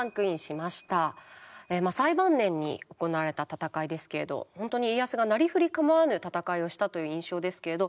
まあ最晩年に行われた戦いですけれど本当に家康がなりふり構わぬ戦いをしたという印象ですけれど。